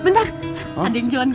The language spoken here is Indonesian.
yaudah pak magnesium